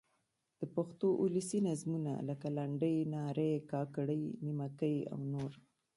د پښتو اولسي نظمونه؛ لکه: لنډۍ، نارې، کاکړۍ، نیمکۍ او نور.